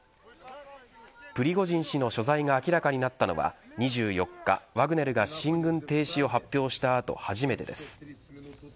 プリゴジン氏の所在が明らかになったのは２４日、ワグネルが進軍停止を発表した後、初めてです。